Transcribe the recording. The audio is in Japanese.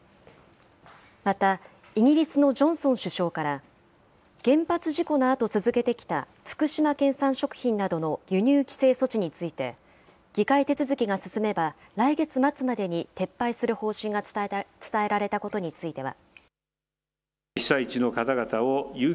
また、イギリスのジョンソン首相から、原発事故のあと続けてきた、福島県産食品などの輸入規制措置について、議会手続きが進めば、来月末までに撤廃する方針が伝えられたことについては。